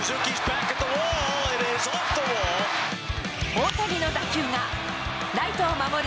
大谷の打球がライトを守る